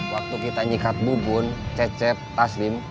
waktu kita nyikat bubun cecep taslim